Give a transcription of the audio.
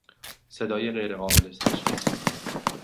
صدای غیر قابل تشخیص